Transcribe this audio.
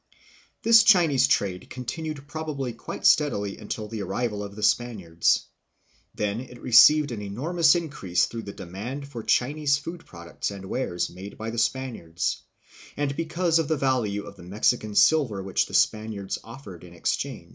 This Chinese trade continued probably quite steadily until the arrival of the Spaniards. Then it received an enormous increase through the demand for Chinese food products and wares made by the Spaniards, and because of the value of the Mexican silver which the Spaniards offered in exchange.